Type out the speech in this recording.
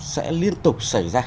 sẽ liên tục xảy ra